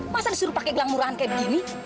masa disuruh pakai gelang murahan kayak begini